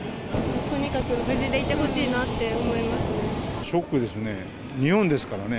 とにかく無事でいてほしいなって思いますね。